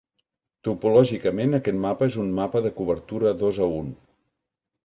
Topològicament, aquest mapa és un mapa de cobertura dos a un.